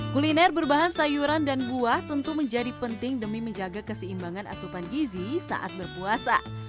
kuliner berbahan sayuran dan buah tentu menjadi penting demi menjaga keseimbangan asupan gizi saat berpuasa